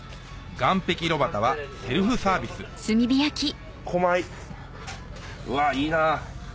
岸壁炉ばたはセルフサービス氷下魚うわっいいな。